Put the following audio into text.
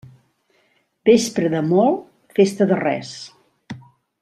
Vespra de molt, festa de res.